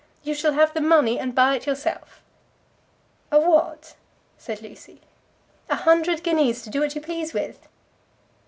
You shall have the money, and buy it yourself." "A what!" said Lucy. "A hundred guineas to do what you please with!"